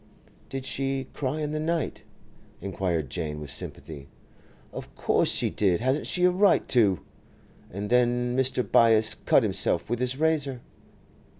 'Did she cry in the night?' inquired Jane, with sympathy. 'Of course she did! Hasn't she a right to?' 'And then Mr. Byass cut himself with his razor?